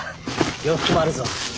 洋服もあるぞ。